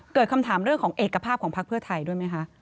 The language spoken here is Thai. เกิดคำถามเรื่องของเอกภาพของพักเพื่อไทยด้วยไหมคะ